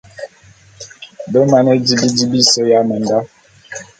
Be mane di bidi bise ya menda.